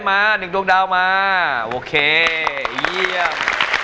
มา๑ดวงดาวมาโอเคเยี่ยม